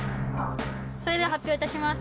それでは発表いたします